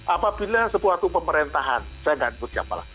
apabila suatu pemerintahan saya nggak ngerti apalah